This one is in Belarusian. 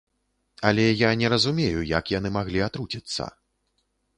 Але я не разумею, як яны маглі атруціцца?